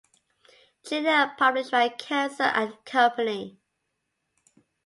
Chinn and published by Kenzer and Company.